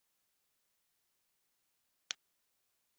بیا داسې راځې خمچۍ ګوتې ته يې لاس ونیو.